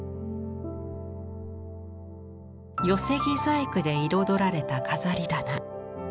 寄木細工で彩られた飾り棚。